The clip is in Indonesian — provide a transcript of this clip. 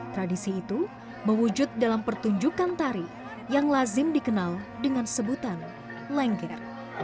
tradisi itu mewujud dalam pertunjukan tari yang lazim dikenal dengan sebutan lengger